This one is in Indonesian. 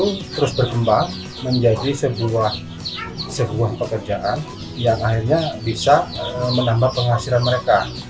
itu terus berkembang menjadi sebuah pekerjaan yang akhirnya bisa menambah penghasilan mereka